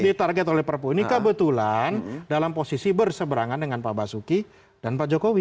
ditarget oleh perpu ini kebetulan dalam posisi berseberangan dengan pak basuki dan pak jokowi